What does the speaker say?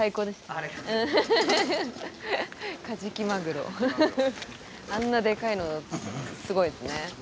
あんなでかいのすごいですね